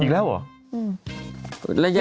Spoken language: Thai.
แล้วจะยังไง